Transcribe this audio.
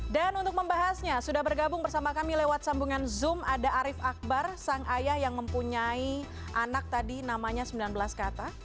dan untuk membahasnya sudah bergabung bersama kami lewat sambungan zoom ada arief akbar sang ayah yang mempunyai anak tadi namanya sembilan belas kata